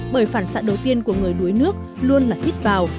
bởi phản xạ đầu tiên của người đuối nước luôn là hít vào